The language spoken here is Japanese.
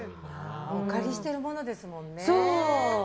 お借りしてるものですもんね。